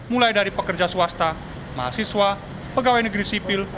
mulai dari pekerja swasta mahasiswa pegawai negeri sipil